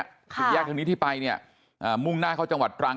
ค่ะสุดยากทางนี้ที่ไปเนี่ยอ่ามุ่งหน้าเข้าจังหวัดปรัง